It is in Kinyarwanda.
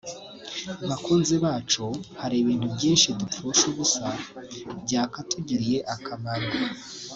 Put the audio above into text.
Bakunzi bacu hari ibintu byinshi dupfusha ubusa byakatugiriye akamaro